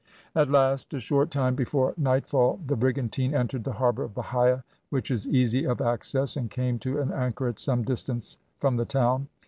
At last, a short time before nightfall, the brigantine entered the harbour of Bahia, which is easy of access, and came to an anchor at some distance from the town.